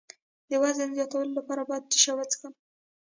د وزن زیاتولو لپاره باید څه شی وڅښم؟